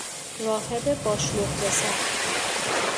راهب باشلق به سر